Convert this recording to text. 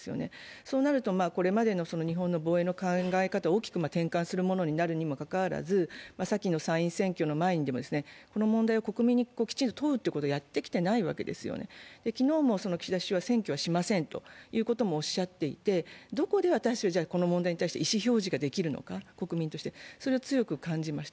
そうなるとこれまでの日本の防衛の考え方を大きく転換するものとなるにもかかわらず先の参院選挙の前にも、この問題を国民にきちんと問うということをやってきてないんですよね、昨日も岸田総理は選挙はしませんということもおっしゃっていて、私たちはどこで意思表示ができるのか、国民としてそれを強く感じました。